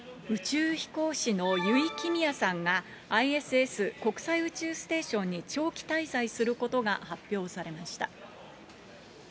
宇宙飛行士の油井亀美也さんがＩＳＳ・国際宇宙ステーションに長期滞在することが発表されました。